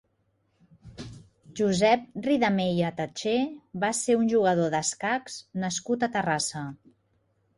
Josep Ridameya Tatché va ser un jugador d'escacs nascut a Terrassa.